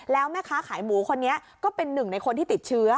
แล้วแม่ค้าขายหมูคนนี้ก็เป็นหนึ่งในคนที่ติดเชื้อ